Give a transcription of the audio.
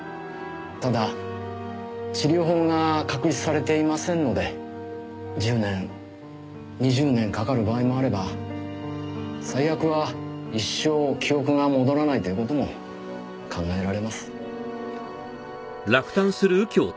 ただ治療法が確立されていませんので１０年２０年かかる場合もあれば最悪は一生記憶が戻らないという事も考えられます。